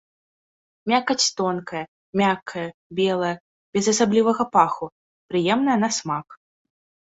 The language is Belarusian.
Мякаць тонкая, мяккая, белая, без асаблівага паху, прыемная на смак.